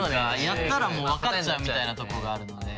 やったらもう分かっちゃうみたいなとこがあるので。